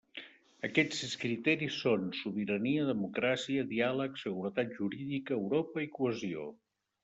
Aquests sis criteris són: sobirania, democràcia, diàleg, seguretat jurídica, Europa i cohesió.